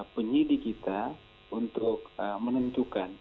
penyidik kita untuk menentukan